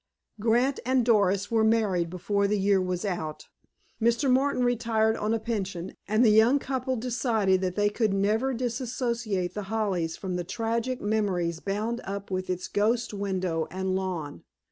Grant and Doris were married before the year was out. Mr. Martin retired on a pension, and the young couple decided that they could never dissociate The Hollies from the tragic memories bound up with its ghost window and lawn.